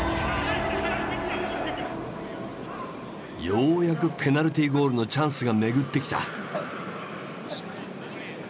ようやくペナルティーゴールのチャンスが巡ってきた。